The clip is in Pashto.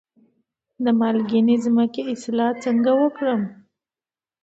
د مالګینې ځمکې اصلاح څنګه وکړم؟